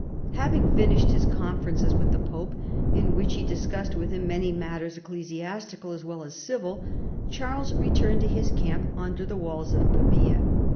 Having finished his conferences with the Pope, in which he discussed with him many matters ecclesi astical as well as civil, Charles returned to his camp under the walls of Pavia.